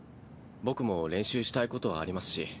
僕も練習したいことありますし。